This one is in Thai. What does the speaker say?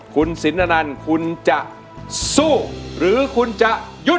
คุณสินอนันต์คุณจะสู้หรือคุณจะหยุด